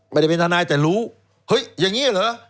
ไม่ได้เป็นทนายแต่รู้เฮ้ยอย่างนี้เหรอ